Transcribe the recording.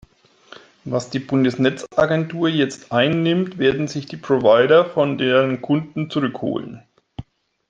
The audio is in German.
Was die Bundesnetzagentur jetzt einnimmt, werden sich die Provider von deren Kunden zurück holen.